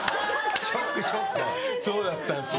・あぁ・そうだったんですよ。